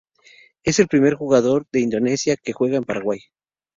Es el primer jugador de Indonesia que juega en Paraguay.